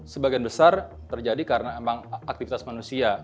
sebagian besar terjadi karena emang aktivitas manusia